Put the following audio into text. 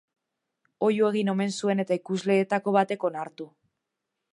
Oihu egin omen zuen eta ikusleetako batek onartu.